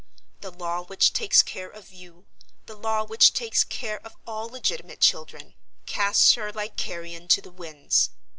The law which takes care of you, the law which takes care of all legitimate children, casts her like carrion to the winds.